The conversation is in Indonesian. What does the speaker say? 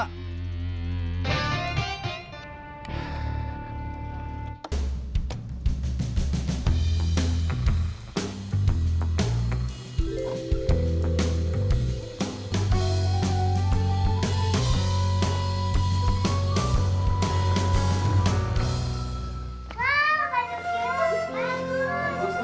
oh puisi ini